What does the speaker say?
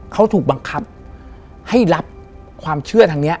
เขาถูกบังคับให้รับความเชื่อทางนี้